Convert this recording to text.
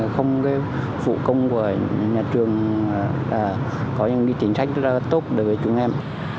không cái phụ công của nhà trường có những cái chính sách rất là tốt đối với chúng em